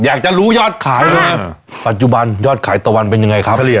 อยากจะรู้ยอดขายเลยปัจจุบันยอดขายตะวันเป็นยังไงครับเฉลี่ย